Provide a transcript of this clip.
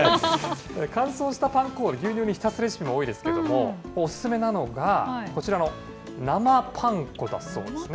乾燥したパン粉を牛乳に浸すレシピも多いですけれども、お勧めなのがこちらの生パン粉だそうです。